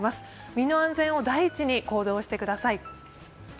身の安全を第一に行動してください。